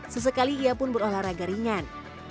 sesekali ia pun berolahraga ringan